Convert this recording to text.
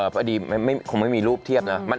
พอดีคงไม่มีรูปเทียบนะ